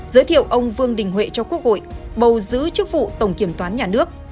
giới thiệu ông vương đình huệ cho quốc hội bầu giữ chức vụ tổng kiểm toán nhà nước